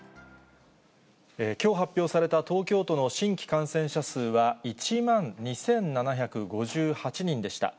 きょう発表された東京都の新規感染者数は１万２７５８人でした。